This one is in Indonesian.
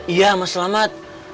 iya mas selamat